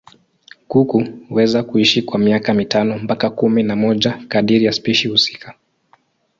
Kuku huweza kuishi kwa miaka mitano mpaka kumi na moja kadiri ya spishi husika.